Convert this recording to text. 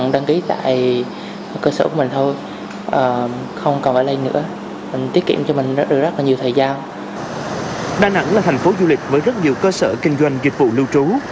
đà nẵng là thành phố du lịch với rất nhiều cơ sở kinh doanh dịch vụ lưu trú